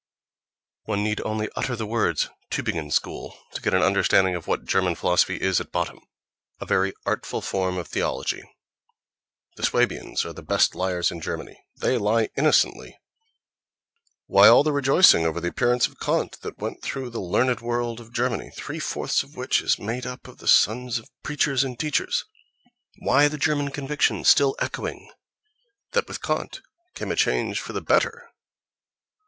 One need only utter the words "Tübingen School" to get an understanding of what German philosophy is at bottom—a very artful form of theology.... The Suabians are the best liars in Germany; they lie innocently.... Why all the rejoicing over the appearance of Kant that went through the learned world of Germany, three fourths of which is made up of the sons of preachers and teachers—why the German conviction still echoing, that with Kant came a change for the better?